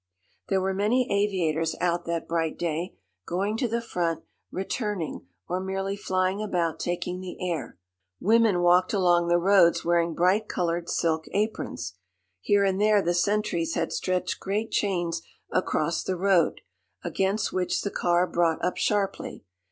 There were many aviators out that bright day, going to the front, returning, or merely flying about taking the air. Women walked along the roads wearing bright coloured silk aprons. Here and there the sentries had stretched great chains across the road, against which the car brought up sharply.